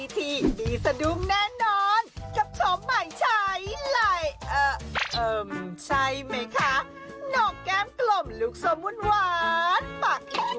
ท่านจุดจุบขนาดนี้